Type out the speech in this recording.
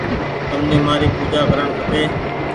تمني مآري پوجآ ڪرڻ کپي